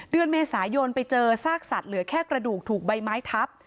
เดือนเมษายนไปเจอซากสัตว์เหลือแค่กระดูกถูกใบไม้ทับ